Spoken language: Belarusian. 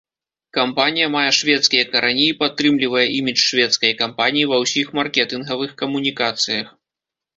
Кампанія мае шведскія карані і падтрымлівае імідж шведскай кампаніі ва ўсіх маркетынгавых камунікацыях.